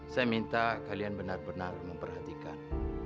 saya minta kalian benar benar memperhatikan